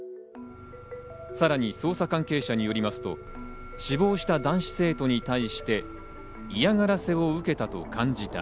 さらに捜査関係者によりますと、死亡した男子生徒に対して、嫌がらせを受けたと感じた。